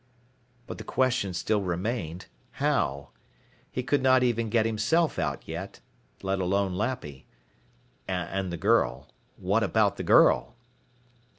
But the question still remained: how? He could not even get himself out, yet, let alone Lappy. And the girl. What about the girl?